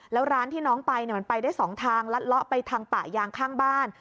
แล้วร้านที่น้องไปมันไปได้๒ทางลัดเลาะไปทางป่ายางข้างบ้าน